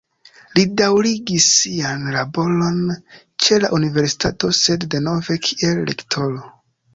Li daŭrigis sian laboron ĉe la universitato, sed denove kiel lektoro.